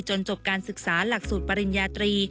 จบการศึกษาหลักสูตรปริญญาตรี